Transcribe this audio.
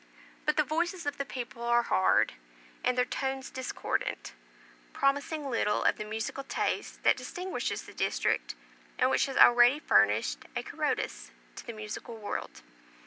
But the voices of the people are hard, and their tones discordant, promising little of the musical taste that distinguishes the district, and which has already furnished a Carrodus to the musical world.